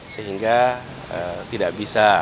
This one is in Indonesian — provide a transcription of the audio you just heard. sehingga tidak bisa